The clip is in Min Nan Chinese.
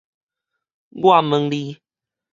我問你